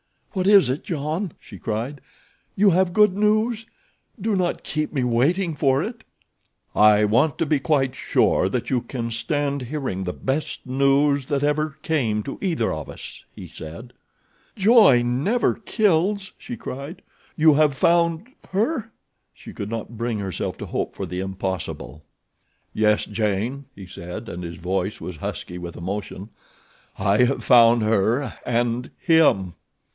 "What is it, John?" she cried. "You have good news—do not keep me waiting for it." "I want to be quite sure that you can stand hearing the best news that ever came to either of us," he said. "Joy never kills," she cried. "You have found—her?" She could not bring herself to hope for the impossible. "Yes, Jane," he said, and his voice was husky with emotion; "I have found her, and—HIM!"